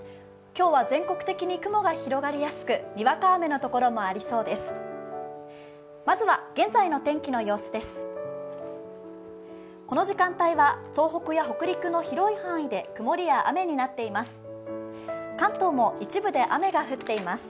今日は全国的に雲が広がりやすくにわか雨の所もありそうです。